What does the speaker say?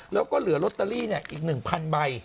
แล้วก็เหลือลอตเตอรี่อีก๑๐๐ใบ